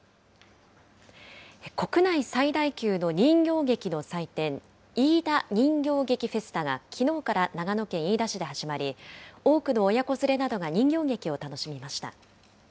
国内最大級の人形劇の祭典、いいだ人形劇フェスタが、きのうから長野県飯田市で始まり、多くの親子連れなどが人形劇を楽しみました。